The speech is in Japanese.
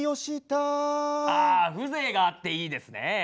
あ風情があっていいですね。